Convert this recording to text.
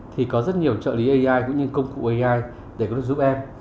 thì có rất nhiều trợ lý ai cũng như công cụ ai để giúp em